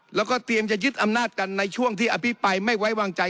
แล้วก็เตรียมจะยึดอำนาจกันในช่วงที่อภิปัยไม่ไว้วางใจ